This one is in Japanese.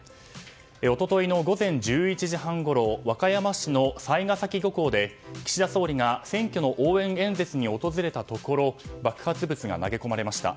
一昨日の午前１１時半ごろ和歌山市の雑賀崎漁港で岸田総理が選挙の応援演説に訪れたところ爆発物が投げ込まれました。